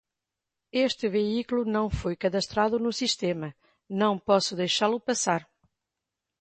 Este veículo não foi cadastrado no sistema, não posso deixá-lo passar.